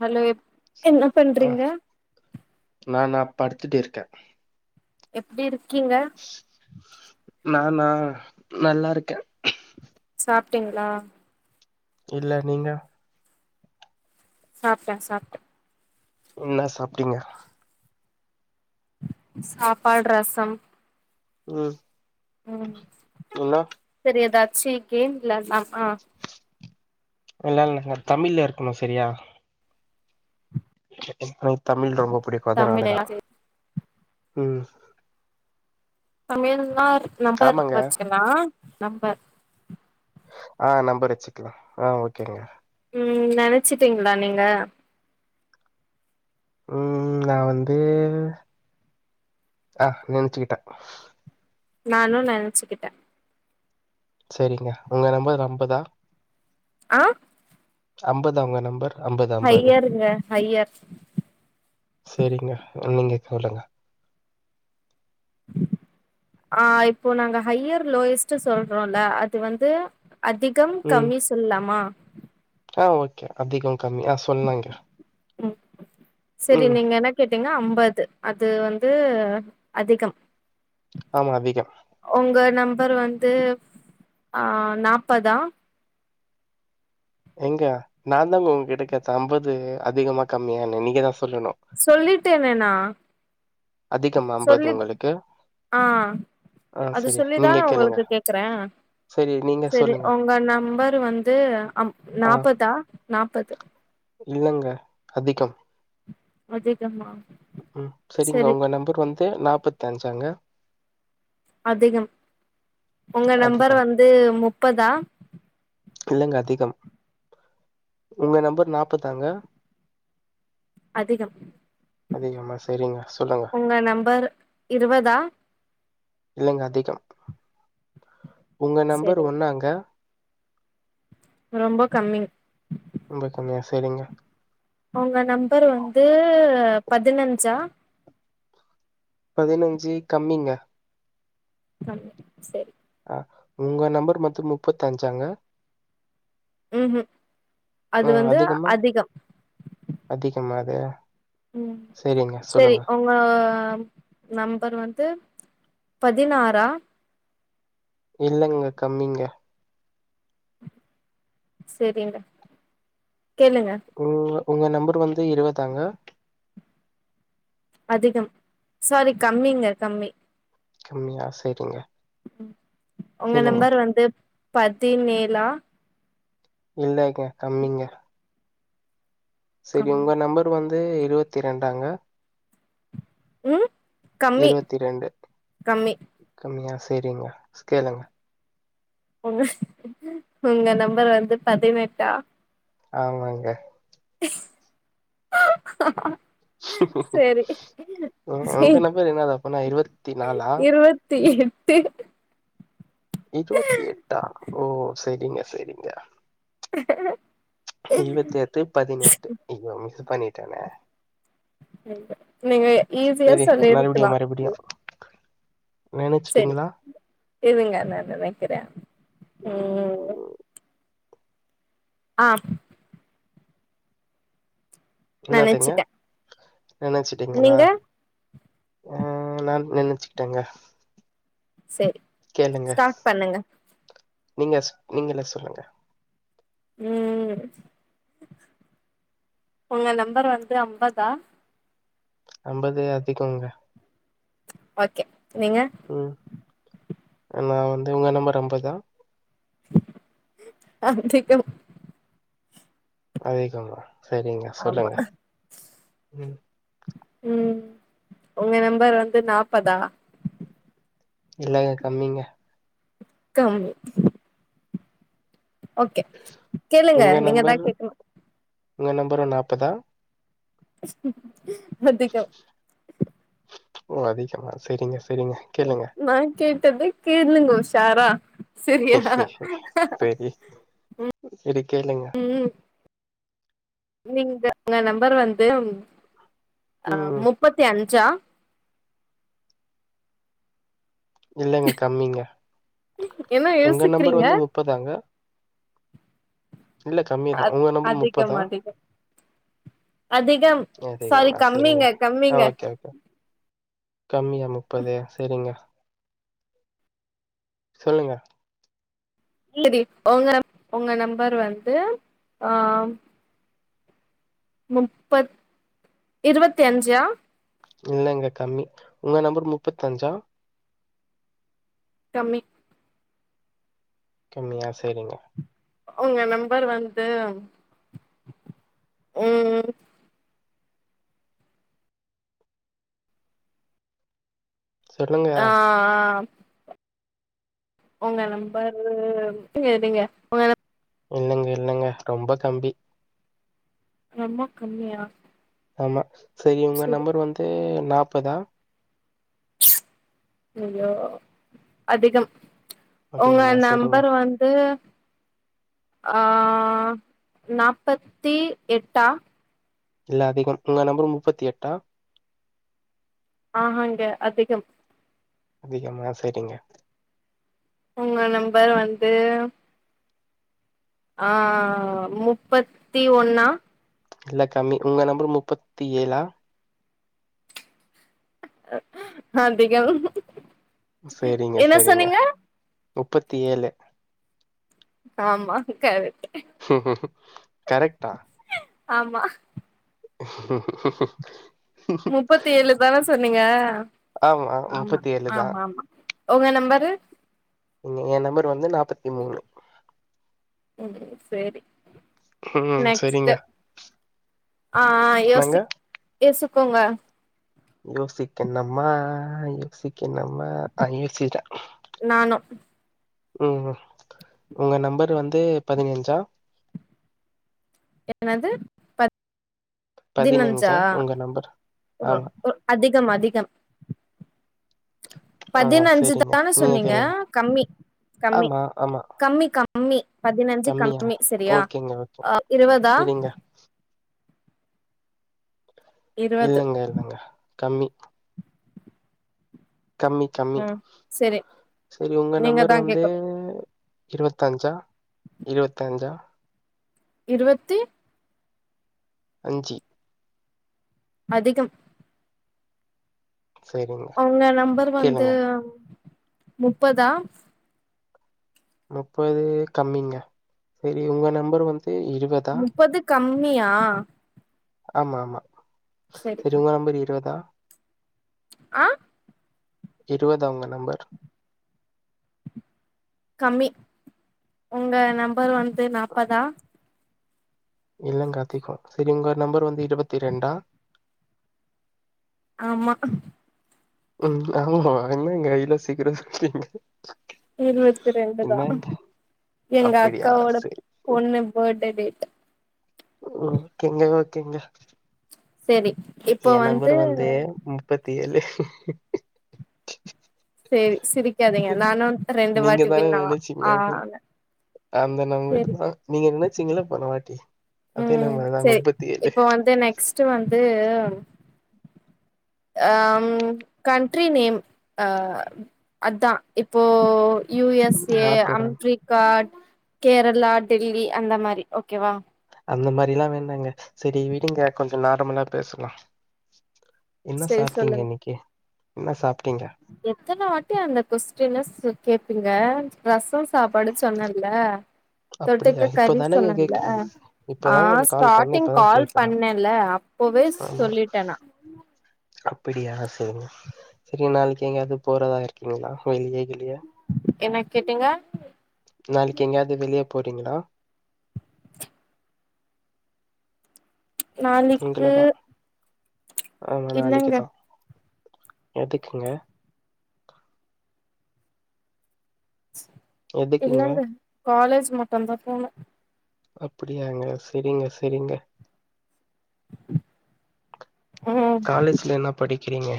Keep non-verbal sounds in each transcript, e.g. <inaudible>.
Hello என்ன ஆ பண்றீங்க நானா படுத்துட்டு இருக்கே எப்டி இருக்கீங்க நானா நல்லா இருக்கே சாப்டீங்ளா இல்ல நீங்க சாப்ட்டே சாப்ட்டே என்னா சாப்ட்டீங்க சாப்பாட் ரசம் ம் ம் இல்ல சேரி எதாச்சி கேம் வெளாட்லாமா வெளாட்லாங்க தமிழ்ல இருக்கணு செரியா தமிழ் ரொம்ப புடிக்கும் தமிழ் அதுனாலதா ம் தமிழ்னா நம்பர் ஆமாங்க வச்சுக்கலா நம்பர் ஆ நம்பர் வச்சுக்கலா ஆ ஓகேங்க ம் நெனச்சிட்டீங்களா நீங்க ம் நா வந்து ஆ நெனச்சுக்கிட்ட நானு நெனச்சுக்கிட்ட செரிங்க ஒங்க நம்பர் அம்பதா ஆ அம்பதா ஒங்க நம்பர் அம்பது அம்பது ஹையருங்க ஹையர் செரிங்க அப்ற நீங்க கேளுங்க ஆ இப்போ நாங்க ஹையர் லோயஸ்ட்டு சொல்றோல அது வந்து அதிகம் ம் கம்மி சொல்லலாமா ஆ ஓகே அதிகம் கம்மி ஆ சொல்லுங்க ம் செரி நீங்க எனக் கேட்டீங்னா அம்பது அது வந்து அதிகம் ஆமா அதிகம் ஒங்க நம்பர் வந்து ஆ நாப்பதா எங்க நா தாங்க ஒங்க கிட்ட கேட்ட அம்பது அதிகமா கம்மியானு நீங்க தா சொல்லணும் சொல்லிட்டேனே நா அதிகமா அம்பது சொல்லி ஒங்களுக்கு ஆ அது சொல்லிதா ஒங்களுக்கு கேக்குற செரி நீங்க செரி சொல்லுங்க. ஒங்க நம்பர் வந்து அம் ஆ நாப்பதா நாப்பது இல்லங்க அதிகம் அதிகம்மா ம் செரிங்க ஒங்க நம்பர் வந்து நாப்பத்தஞ்சாங்க அதிகம் ஒங்க நம்பர் அதிகம். வந்து முப்பதா. இல்லங்க அதிகம் ஒங்க நம்பர் நாப்பதாங்க அதிகம் அதிகமா. சரிங்க. சொல்லுங்க. ஒங்க நம்பர் இருபதா இல்லங்க அதிகம் ஒங்க நம்பர் செரி ஒன்னாங்க ரொம்ப கம்மி ரொம்ப கம்மியா செரிங்க ஒங்க நம்பர் வந்து பதினஞ்சா பதினஞ்சி கம்மிங்க கம்மி செரி அ ஒங்க நம்பர் மொத்தோ முப்பத்தஞ்சாங்க ம் ம் ஆ அது வந்து அதிகமா அதிக அதிகமா அது செரிங்க சொல்லுங்க ஒங்க நம்பர் வந்து பதினாறா இல்லங்க கம்மிங்க செரிங்க கேளுங்க உ ஒங்க நம்பர் வந்து இருவதாங்க அதிகம் சாரி கம்மிங்க கம்மி கம்மியா செரிங்க ஒங்க நம்பர் வந்து பதி னேலா இல்லேங்க கம்மிங்க செரி கம்மி உங்க நம்பர் வந்து இருவத்தி ரெண்டாங்க ம் கம்மி இருவத்தி ரெண்டு கம்மி கம்மியா செரிங்க கேளுங்க ஒங்க ஒங்க நம்பர் வந்து பதினெட்டா ஆமாங்க செரி ம் சி உங்க நம்பர் என்னது அப்பனா இருவத் திஎட்டு இருவத்தி எட்டா ஓ செரிங்க செரிங்க இருவத்தி எட்டு பதினெட்டு ஐயோ மிஸு பண்ணிட்டனே நீங்க ஈஸியா செரி மறுபடியு சொல்லிருக்கலா மறுபடியு செரி நெனச்சுட்டீங்களா இருங்க நா நெனைக்கிறே உ உ உ ம். ஆம் இன்னார்டிங்க நெனச்சிட்டே நெனச்சுட்டீங்களா நீங்க ஆ நா நெனச்சுட்டேங்க செரி கேளுங்க ஸ்டார்ட் பண்ணுங்க நீங்க நீங்களே சொல்லுங்க ம் உங்க நம்பர் வந்து அம்பதா அம்பது அதிகோங்க ஓகே நீங்க ம் நா வந்து ஒங்க நம்பர் அம்பதா அதிகம் அதிகமா சரிங்க ஆமா சொல்லுங்க ம் ம் உங்க நம்பர் வந்து நாப்பதா இல்லங்க கம்மிங்க கம்மி ஓகே கேளுங்க உங்க நீங்க தா நம்பர் கேக்கணு உங்க நம்பர் நாப்பதா அதிகம் ஓ அதிகமா செரிங்க செரிங்க நா கேட்டதே கேளுங்க உஷாரா செரியா சரி ம் சரி கேளுங்க ம் நீங்க உங்க நம்பர் வந்து அ ம் முப் பத்தி அஞ்சா இல்லங்க கம்மிங்க என்ன உங்க நம்பர் யோசிக்கிறீங்க வந்து முப்பதாங்க இல்ல கம்மிதா அத் உங்க நம்பர் அதிகம் முப்பதா அதிகம் அதிகம் சாரி அதிகமா சரிங்க கம்மிங்க ஆ கம்மிங்க ஓகே ஓகே கம்மியா முப்பது செரிங்க சொல்லுங்க <unintelligible> ஒங்க ஒங்க நம்பர் வந்து ஆ ம் முப்பத் இருவத்தி அஞ்சா இல்லங்க கம்மி உங்க நம்பர் முப்பத்தஞ்சா கம்மி கம்மியா செரிங்க உங்க நம்பர் வந்து, ம் சொல்லுங்க ஆ உங்க நம்பரு நீங்க இருங்க உங்க இல்லங்க இல்லங்க ரொம்ப கம்மி ரொம்ப கம்மியா ஆமா, சேரி உங்க சரி நம்பர் வந்து நாப்பதா ஐயோ அதிகம், உங்க அதிகமா சரிங்க நம்பர் வந்து ஆ நாப்பத்தி எட்டா இல்ல அதிகம், உங்க நம்பர் முப்பத்தி எட்டா ஆஹாங்க அதிகம் அதிகமா சேரிங்க உங்க நம்பர் வந்து ஆ முப்பத்தி ஒன்னா இல்ல கம்மி உங்க நம்பர் முப்பத்தி ஏழா ஆ அதிகம், சரிங்க என்ன சரிங்க சொன்னீங்க? முப்பத்தி ஏழு ஆமா கரெக்ட்டு கரெக்டா ஆமா முப்பத்தி ஏழுதான சொன்னீங்க ஆமா முப்பத்தி ஏழு தா ஆமாமா, உங்க நம்பரு ங்க ஏ நம்பர் வந்து நாப்பத் ம் சேரி ம் நெக்ஸ்ட் சரிங்க ஆ ஆ என்னங்க யோசி யோசிக்கோங்க யோசிக்கனுமா யோசிக் கினுமா ஆ யோசிச்சிட்ட நானு ம், உங்க நம்பர் வந்து பதினஞ்சா என்னது பதினஞ்சா உங்க நம்பர் ஒரு ஆமா ஒ அதிகம் அதிகம் ஆ சரிங்க. பதினஞ்சுதான நீங்க சொன்னீங்க, கேளுங்க. கம்மி, கம்மி, ஆமா, ஆமா. கம்மி, கம் கம்மி பதினஞ்சு கம்மியா? கம்மி சரியா ஓகேங்க, அ ஓகேங்க. இருவதா சரிங்க. இருவது இல்லங்க இல்லங்க கம்மி கம்மி கம்மி ம் சரி சேரி உங்க நீங்க தா நம்பர் வந்து கேக்கணு இருவத்தஞ்சா இருவத்தஞ்சா இருவத்தி அஞ்சு அதிகம் சரிங்க. உங்க நம்பர் வந்து கேளுங்க. முப்பதா முப்பது கம்மிங்க சேரி உங்க நம்பர் வந்து இருவதா முப்பது கம்மியா ஆமா ஆமா சரி சேரி உங்க நம்பர் இருவதா ஆ இருவதா உங்க நம்பர் கம்மி, உங்க நம்பர் வந்து நாப்பதா இல்ல கத்திக்கு செரி உங்க நம்பர் வந்து இருவத்தி ரெண்டா ஆமா உ ஆமா என்னங்க இவ்ளோ சீக்ரோ சொல்ட்டீங்க இருவத்தி ரெண்டு தா என்னங்க? எங்க அப்படியா? அக்காவோட சரி. பொண்ணு பேர்து டே டேட் ம் ஓக்கேங்க ஓக்கேங்க செரி இப்போ வந்து முப்பத்தி ஏழு செரி சிரிக்காதீங்க நானு ரெண்டு நீங்க வாட்டி தானே வின் நெனச்சீங்க அது ஆனே அந்த நம்பர் தா நீங்க நெனச்சீங்கள்ள போன வாட்டி அதே நம்பர்தா முப்பத்தி ஏழு பஸ்டு வந்து ஆ கண்ட்ரி நேம் அதா இப்போ யு எஸ் ஏ நாட் உடன் அம்ரிக்கா கேரளா டெல்லி அந்த மாரி ஓக்கேவா அந்த மாரில்லா வேணாங்க செரி விடுங்க கொஞ்சோ நார்மலா பேசலா என்ன செரி சாப்ட்டீங்க சொல்லுங்க இன்னிக்கு என்ன சாப்ட்டீங்க எத்தன வாட்டி அந்த கொஸ்டின கேப்பீங்க ரசோ சாப்பாடு சொன்னேன்ல அப்டியா தொட்டுக்க கறி இப்பதானங்க சொன்னேன்ல கேக்குறாங்க ஆ இப்பதா உங்களுக்கு கால் பண்ண ஸ்டாடிங் இப்பதா கால் கேக்குறா பண்ணேல அப்பவே சொல்லிட்டே நா அப்பிடியா செரி சரி நாளைக்கு எங்கயாவது போறதா இருக்கீங்களா வெளிய கிளிய என்ன கேட்டீங்க நாளைக்கு எங்கேயாவது வெளிய போறீங்களா நாளிக்கு உங்களதா ஆமா நாளைக்குதா எதுக்குங்க எதுக்குங்க இல்லங்க காலேஜ் மட்டுந்தா போனு அப்டியாங்க செரிங்க செரிங்க ம் காலேஜ்ல என்ன படிக்கிறீங்க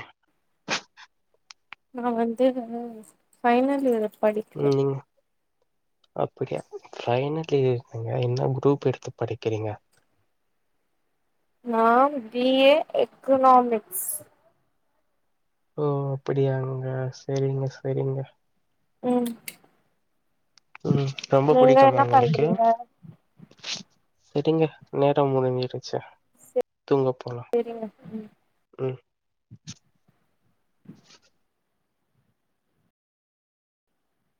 நா வந்து ஃபைனல் இயர் படிக்கிறே நீங்க அப்படியா பைனல் இயர்ங்க என்ன குரூப் எடுத்து படிக்கிறீங்க நா பி ஏ எக்கனாமிக்ஸ் ஓ அப்டியாங்க செரிங்க செரிங்க ம் உ ரொம்ப நீங்க பிடிக்குமா என்ன உங்குளுக்கு பண்றீங்க செரிங்க நேரோ முடிஞ்சிருச்சு தூங்க போலா செரிங்க ம்